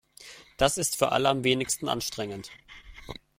Das ist für alle am wenigsten anstrengend.